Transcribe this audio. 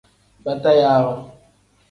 Batayaawa.